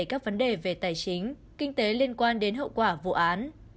các vấn đề về tài chính kinh tế liên quan đến hậu quả vụ án